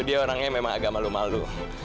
dia orangnya memang agak malu malu